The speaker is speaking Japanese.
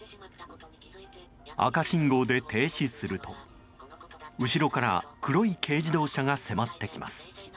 赤信号で停止すると後ろから黒い軽自動車が迫ってきます。